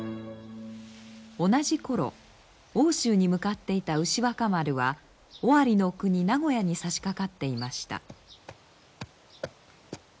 同じ頃奥州に向かっていた牛若丸は尾張国那古屋にさしかかっていました。